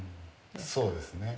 そうですね。